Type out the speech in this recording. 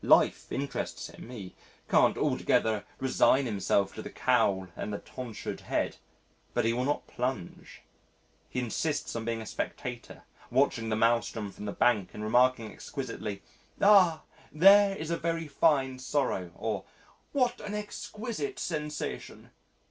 Life interests him he can't altogether resign himself to the cowl and the tonsured head, but he will not plunge. He insists on being a spectator, watching the maelstrom from the bank and remarking exquisitely, "Ah! there is a very fine sorrow," or, "What an exquisite sensation."